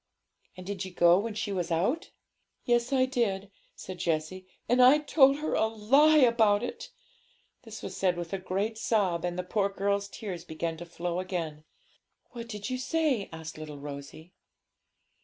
'And did you go when she was out?' 'Yes, I did,' said Jessie; 'and I told her a lie about it.' This was said with a great sob, and the poor girl's tears began to flow again. 'What did you say?' asked little Rosalie.